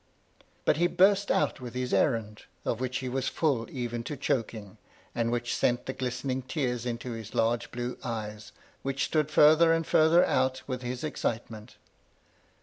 But he burst out with his errand, of which he was full even to choking, and which sent the glistening tears into his large blue eyes, which stood farther and farther out with his excitement.